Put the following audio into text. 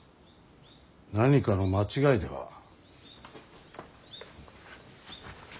何かの間違いでは。